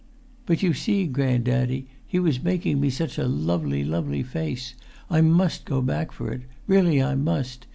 "But, you see, grand daddy, he was making me such a lovely, lovely face. I must go back for it. Really I must.